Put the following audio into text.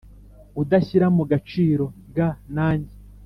udashyira mu gaciro g nanjye